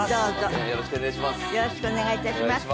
よろしくお願いします。